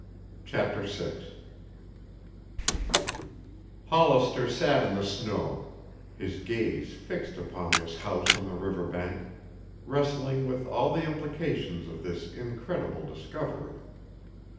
CHAPTER VI Hollister sat in the snow, his gaze fixed upon this house on the river bank, wrestling with all the implications of this incredible discovery.